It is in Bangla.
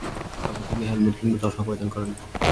তখন তিনি হেলমেট কিংবা চশমা পরিধান করেননি।